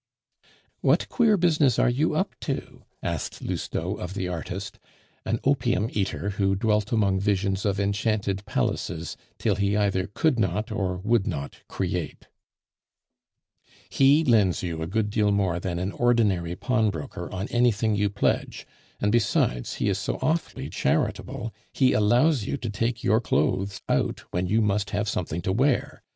"What queer business are you up to?" asked Lousteau of the artist, an opium eater who dwelt among visions of enchanted palaces till he either could not or would not create. "He lends you a good deal more than an ordinary pawnbroker on anything you pledge; and, besides, he is so awfully charitable, he allows you to take your clothes out when you must have something to wear.